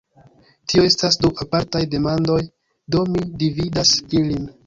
Tio estas du apartaj demandoj, do mi dividas ilin.